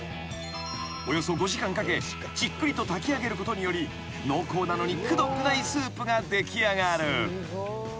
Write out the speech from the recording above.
［およそ５時間かけじっくりと炊き上げることにより濃厚なのにくどくないスープが出来上がる］